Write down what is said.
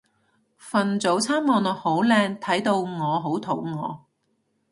份早餐望落好靚睇到我好肚餓